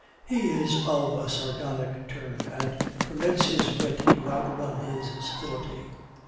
He is of a sardonic turn, and permits his wit to outrun his civility.